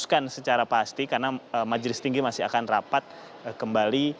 susilo bambang yudhoyonova juga belum diputuskan secara pasti karena majelis tinggi masih akan rapat kembali